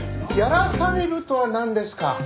「やらされる」とはなんですか？